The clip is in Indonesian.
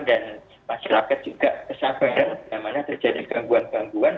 dan masyarakat juga kesabaran bagaimana terjadi gangguan gangguan